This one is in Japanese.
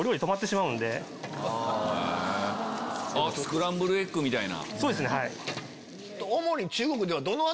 スクランブルエッグみたいな。